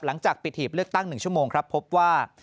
หลังจากปิดหีบเลือกตั้ง๑ชั่วโมงครับพบว่า